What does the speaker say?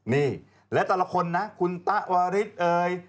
นี่และแต่ละคนนะคุณตะวาริสเอ่ย